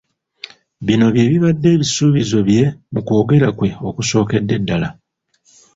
Bino bye bibadde ebisuubizo bye mu kwogera kwe okusookedde ddala.